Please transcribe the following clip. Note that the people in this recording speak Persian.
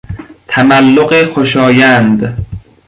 تملق خوشایند